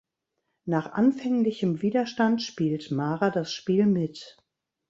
Nach anfänglichem Widerstand spielt Mara das Spiel mit.